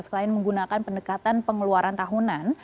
selain menggunakan pendekatan pengeluaran tahunan